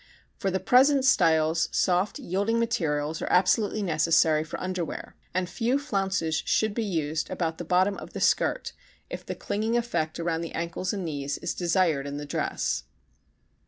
For the present styles soft yielding materials are absolutely necessary for underwear and few flounces should be used about the bottom of the skirt if the clinging effect around the ankles and knees is desired in the dress.